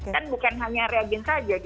kan bukan hanya reagen saja